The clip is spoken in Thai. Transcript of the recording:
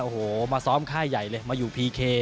โอ้โหมาซ้อมค่ายใหญ่เลยมาอยู่พีเค